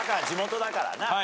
地元だからな。